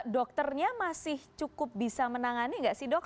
dokternya masih cukup bisa menangani nggak sih dok